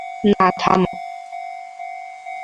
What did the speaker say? না, থাম!